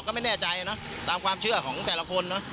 ก็ไม่แน่ใจนะตามความเชื่อของแต่ละคนเนอะ